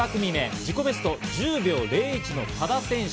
自己ベスト１０秒０１の多田選手。